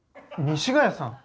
西ヶ谷さん！